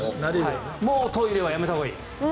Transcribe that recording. もうトイレはやめたほうがいい。